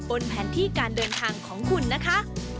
แผนที่การเดินทางของคุณนะคะ